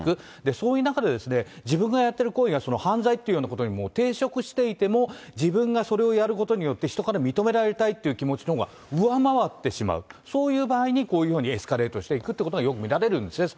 そういう中で自分がやってる行為が犯罪っていうようなことに抵触していても、自分がそれをやることによって人から認められたいという気持ちのほうが上回ってしまう、そういう場合にこういうふうにエスカレートしていくということがよく見られるんですね。